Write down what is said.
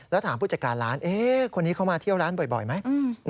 แล้วถามผู้จัดการร้านคนนี้เข้ามาเที่ยวร้านบ่อยไหม